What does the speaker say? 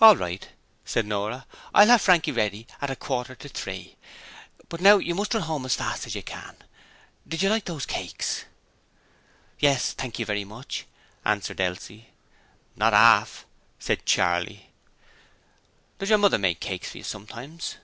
'All right,' said Nora. 'I'll have Frankie ready at a quarter to three. But now you must run home as fast as you can. Did you like those cakes?' 'Yes, thank you very much,' answered Elsie. 'Not 'arf!' said Charley. 'Does your mother make cakes for you sometimes?'